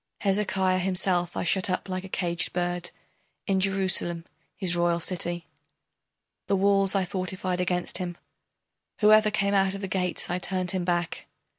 Hezekiah himself I shut up like a caged bird In Jerusalem, his royal city, The walls I fortified against him, Whoever came out of the gates I turned him back.